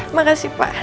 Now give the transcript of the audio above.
terima kasih pak